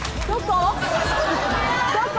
どこ？